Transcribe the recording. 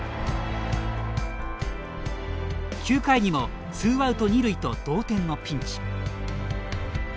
９回にも、ツーアウト２塁と同点のピンチ。